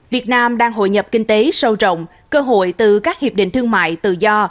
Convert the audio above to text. việt nam đang hội nhập kinh tế sâu rộng cơ hội từ các hiệp định thương mại tự do